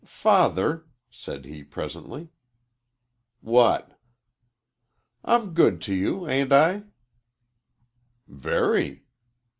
"Father," said he, presently. "What?" "I'm good to you, ain't I?" "Very."